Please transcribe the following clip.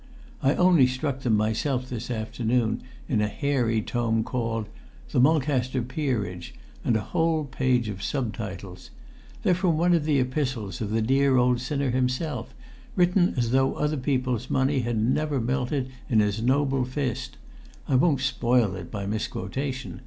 I only struck them myself this afternoon, in a hairy tome called 'The Mulcaster Peerage' and a whole page of sub titles. They're from one of the epistles of the dear old sinner himself, written as though other people's money had never melted in his noble fist. I won't spoil it by misquotation.